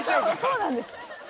そうなんです。